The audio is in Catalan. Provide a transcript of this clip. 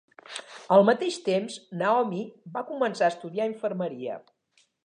Al mateix temps, Naomi va començar a estudiar infermeria.